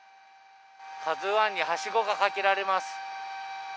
「ＫＡＺＵ１」にはしごがかけられます。